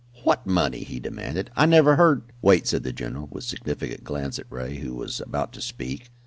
"What money?" he demanded. "I never heard " "Wait," said the general, with significant glance at Ray, who was about to speak.